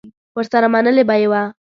ورسره منلې به یې وه